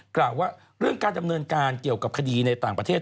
กล่าวว่าเรื่องการดำเนินการเกี่ยวกับคดีในต่างประเทศ